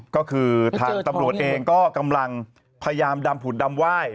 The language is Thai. ก็คือทางตำรวจเองก็กำลังพยายามดำผุดดำไหว้